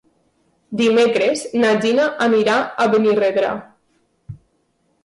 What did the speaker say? Dimecres na Gina anirà a Benirredrà.